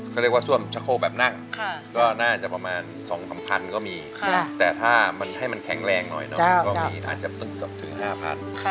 เขาเรียกว่าซ่วมชะโคกแบบนั่งก็น่าจะประมาณ๒๓พันก็มีแต่ถ้ามันให้มันแข็งแรงหน่อยเนาะก็มีอาจจะตึกถึง๕๐๐บาท